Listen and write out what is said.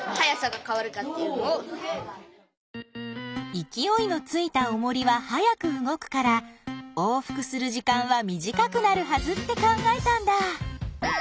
いきおいのついたおもりは速く動くから往復する時間は短くなるはずって考えたんだ。